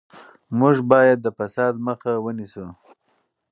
موږ باید د فساد مخه ونیسو.